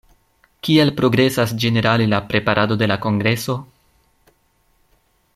Kiel progresas ĝenerale la preparado de la kongreso?